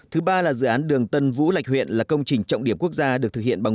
thứ ba là dự án đường tân vũ lạch huyện là công trình trọng điểm quốc gia được thực hiện